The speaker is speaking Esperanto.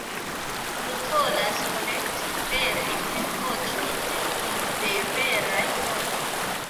Ni volas kolekti verajn voĉojn de veraj homoj.